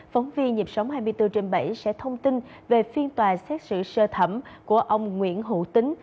phóng viên nhịp sống hai mươi bốn trên bảy sẽ thông tin về phiên tòa xét xử sơ thẩm của ông nguyễn hữu tính